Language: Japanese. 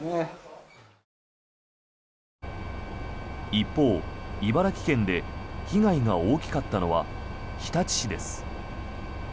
一方茨城県で被害が大きかったのは日立市です。